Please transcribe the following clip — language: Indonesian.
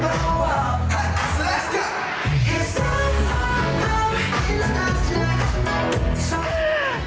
kepala k pop ground